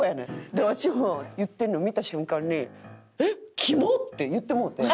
でわしも言ってるの見た瞬間に「えっ！キモッ！」って言ってもうて。